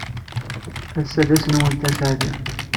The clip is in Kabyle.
Ass-a d ass-nwent aseɛdi.